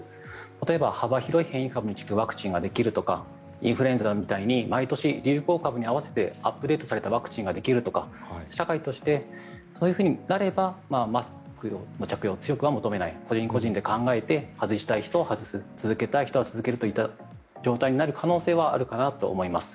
例えば、幅広い変異株に効くワクチンができるとかインフルエンザみたいに毎年、流行株に合わせてアップデートされたワクチンができるとか社会としてそういうふうになればマスクの着用を強くは求めない個人個人で考えて外したい人は外す続けたい人は続けるといった状態になる可能性はあるかなと思います。